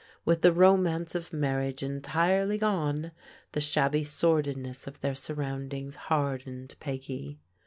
With the romance of marriage entirely gone, the shabby sordidness of their surroundings hardened Peggy.